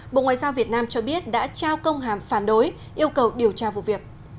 bộ ngoại giao việt nam cho biết đã trao công hàm phản đối yêu cầu điều tra vụ việc